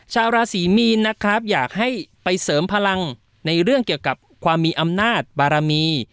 ชาวราศีมีนนะครับอยากให้ไปเสริมพลังในเรื่องเกี่ยวกับความมีอำนาจบารมี